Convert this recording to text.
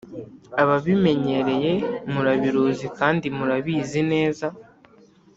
Ababimenyereye murabiruzi kandi murabizi neza